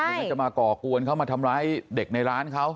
ก็จะมาก่อกวนเขามาทำร้ายเด็กในร้านเขา